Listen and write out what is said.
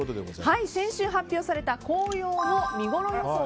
先週発表された紅葉の見ごろ予想